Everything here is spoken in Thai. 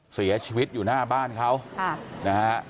เสียชีวิตอยู่หน้าบ้านเขานะฮะ